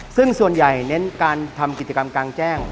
ซึ่งส่วนใหญ่เน้นการทำกิจกรรมกลางแจ้ง